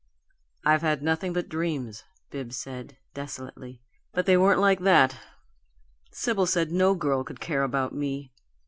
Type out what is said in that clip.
"I've had nothing but dreams," Bibbs said, desolately, "but they weren't like that. Sibyl said no girl could care about me."